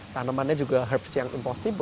tanamannya juga hirps yang impossible